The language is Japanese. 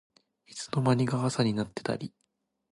いつの間にか朝になってたり